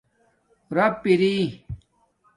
رپ اری